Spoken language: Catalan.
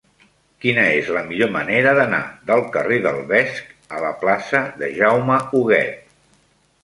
Quina és la millor manera d'anar del carrer del Vesc a la plaça de Jaume Huguet?